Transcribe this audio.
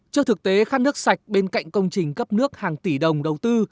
trước thực tế khăn nước sạch bên cạnh công trình cấp nước hàng tỷ đồng đầu tư